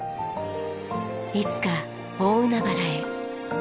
いつか大海原へ。